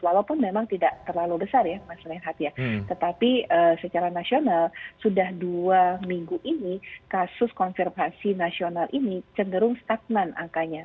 walaupun memang tidak terlalu besar ya mas rehat ya tetapi secara nasional sudah dua minggu ini kasus konfirmasi nasional ini cenderung stagnan angkanya